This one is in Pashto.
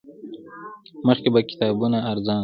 مخکې به کتابونه ارزان وو